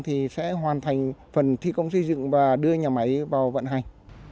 thì sẽ hoàn thành phần thi công xây dựng và đưa nhà máy vào vận hành